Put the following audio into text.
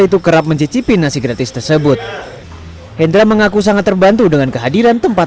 itu kerap mencicipi nasi gratis tersebut hendra mengaku sangat terbantu dengan kehadiran tempat